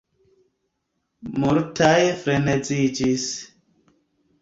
Multaj freneziĝis.